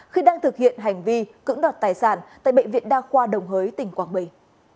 khi đang thực hiện hành vi cứng đột tài sản tại bệ viện đa khoa đồng hới tỉnh quảng bình